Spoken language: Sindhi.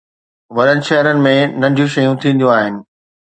وڏن شهرن ۾ ننڍيون شيون ٿينديون آهن